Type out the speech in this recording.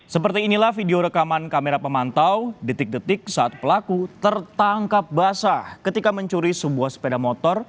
seperti inilah video rekaman kamera pemantau detik detik saat pelaku tertangkap basah ketika mencuri sebuah sepeda motor